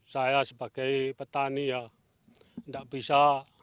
saya sebagai petani ya